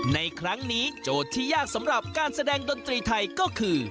ในครั้งนี้โจทย์ที่ยากสำหรับการแสดงดนตรีไทยก็คือ